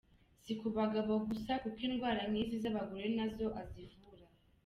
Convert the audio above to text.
Si ku bagabo gusa kuko n’indwara nk’izi z’abagore nazo azivura.